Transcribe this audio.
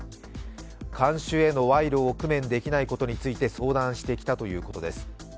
看守への賄賂を工面できないことについて相談してきたということです。